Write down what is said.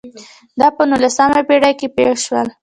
دا په نولسمه پېړۍ کې پېښ شول.